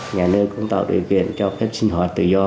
nhà nước cũng tạo đội quyền cho phép sinh hoạt tự do